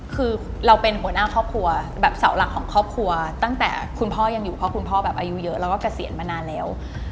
คือเราเป็นหัวหน้าครอบครัวแบบเสาหลักของครอบครัวตั้งแต่คุณพ่อยังอยู่เพราะคุณพ่อแบบอายุเยอะแล้วก็เกษียณมานานแล้ว